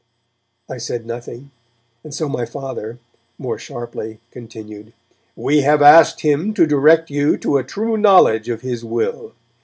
I said nothing, and so my Father, more sharply, continued, 'We have asked Him to direct you to a true knowledge of His will.